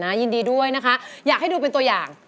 ยินดีด้วยนะคะอยากให้ดูเป็นตัวอย่าง